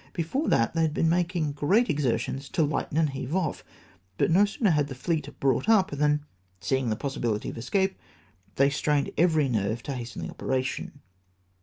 Before that, they had been making great exertions to lighten and heave off, but no sooner had the fleet brought up, than, seeing the possibihty of escape, they strained every nerve to hasten the operation.